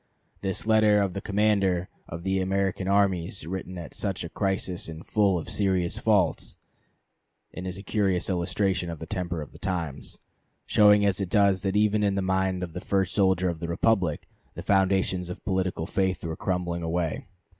This letter of the commander of the American armies written at such a crisis is full of serious faults, and is a curious illustration of the temper of the times, showing as it does that even in the mind of the first soldier of the republic the foundations of political faith were crumbling away.